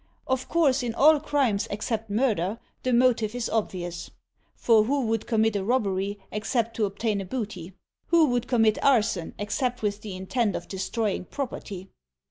Of course in all crimes except murder, the motive is obvious; for who would commit a robbery except to obtain the booty? Who would commit arson except with the intent of destrojdng property?